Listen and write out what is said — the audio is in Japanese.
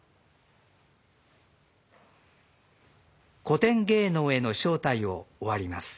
「古典芸能への招待」を終わります。